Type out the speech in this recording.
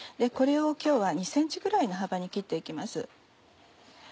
これを今日は２ｃｍくらいの幅に切って行きます。